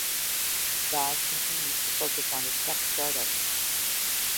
Baz continues to focus on his tech start-ups.